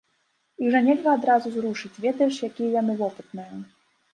Іх жа нельга адразу зрушыць, ведаеш якія яны вопытныя?